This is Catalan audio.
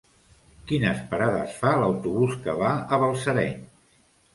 Quines parades fa l'autobús que va a Balsareny?